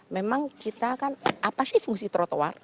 memang kita kan apa sih fungsi trotoar